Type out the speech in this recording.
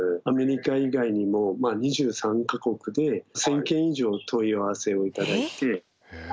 アメリカ以外にも２３か国で１，０００件以上問い合わせを頂いて。